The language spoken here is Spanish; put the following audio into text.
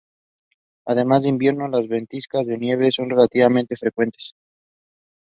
Además, en invierno, las ventiscas de nieve son relativamente frecuentes.